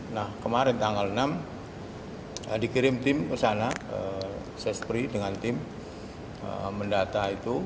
nah kemarin tanggal enam dikirim tim ke sana sespri dengan tim mendata itu